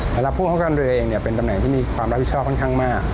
สำหรับผู้คับการเรือเองเนี่ยเป็นตำแหน่งที่มีความรับผิดชอบค่อนข้างมาก